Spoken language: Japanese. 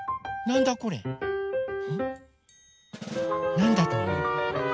なんだとおもう？